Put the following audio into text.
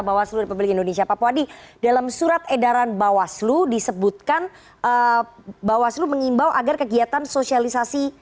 bawaslu mengimbau agar kegiatan sosialisasi